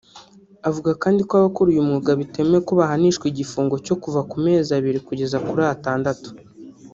Avuga kandi ko abakora uy’umwuga bitemewe kuko bihanishwa igifungo cyo kuva ku mezi abiri kugeza kuri atandatu